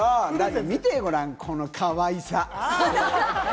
見てごらん、このかわいさ。